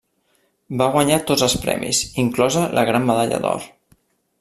Va guanyar tots els premis, inclosa la gran medalla d'or.